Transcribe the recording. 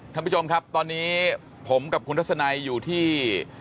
ท่านผู้ชมครับตอนนี้ผมกับคุณทัศนัยอยู่ที่